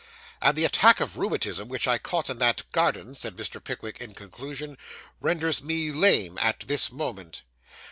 'And the attack of rheumatism which I caught in that garden,' said Mr. Pickwick, in conclusion, 'renders me lame at this moment.